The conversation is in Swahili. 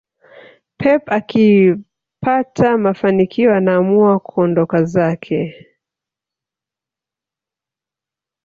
pep akipata mafanikio anaamua kuondoka zake